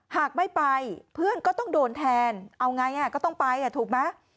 หากไม่ไปเพื่อนก็ต้องโดนแทนเอาไงก็ต้องไปถูกไหม